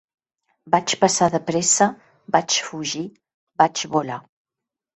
Vaig passar de pressa, vaig fugir, vaig volar.